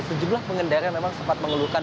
sejumlah pengendara memang sempat mengeluhkan